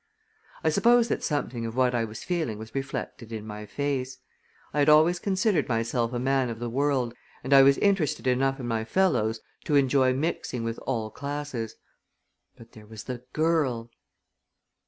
I suppose that something of what I was feeling was reflected in my face. I had always considered myself a man of the world and I was interested enough in my fellows to enjoy mixing with all classes. But there was the girl!